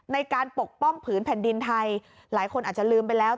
ปกป้องผืนแผ่นดินไทยหลายคนอาจจะลืมไปแล้ว